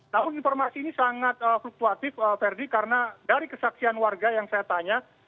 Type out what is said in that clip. namun informasi ini sangat fluktuatif verdi karena dari kesaksian warga yang saya tanya